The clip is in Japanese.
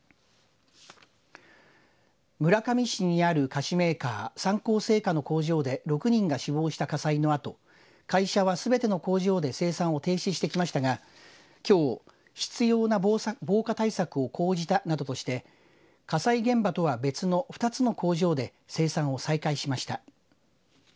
村上市にある菓子メーカー、三幸製菓の工場で６人が死亡した火災のあと会社は、すべての工場で生産を停止してきましたがきょう必要な防火対策を講じたなどとして火災現場とは別の２つの工場で生産を再開しました。